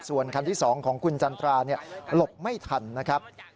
ส่วนคันที่๒ของคุณจันทราหลบไม่ทันนะครับ